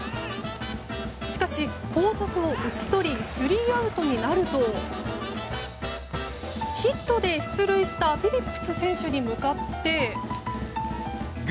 しかし、後続を打ち取りスリーアウトになるとヒットで出塁したフィリップス選手に向かって。